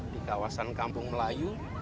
di daerah kampung melayu